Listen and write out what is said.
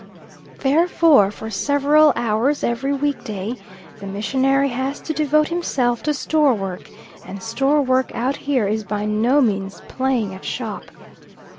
Therefore for several hours every weekday the missionary has to devote himself to store work, and store work out here is by no means playing at shop.